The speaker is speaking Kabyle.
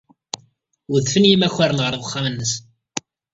Udfen yimakaren ɣer wexxam-nnes.